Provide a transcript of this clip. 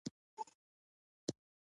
منډه د وجود فټنس ښه کوي